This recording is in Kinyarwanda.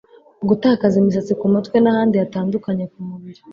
Gutakaza imisatsi ku mutwe n'ahandi hatandukanye ku mubiri